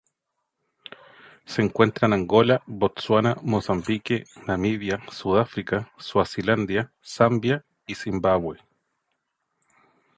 Se encuentra en Angola, Botsuana, Mozambique, Namibia, Sudáfrica, Suazilandia, Zambia y Zimbabue.